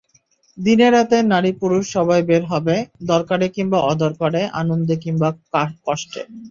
দিনে-রাতে নারী-পুরুষ সবাই বের হবে, দরকারে কিংবা অদরকারে, আনন্দে কিংবা কষ্টে।